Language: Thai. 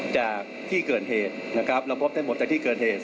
จากที่เกิดเหตุเราพบเส้นผมจากที่เกิดเหตุ